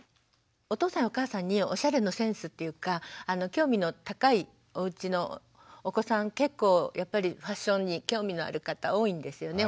お父さんやお母さんにおしゃれのセンスっていうか興味の高いおうちのお子さん結構やっぱりファッションに興味のある方多いんですよね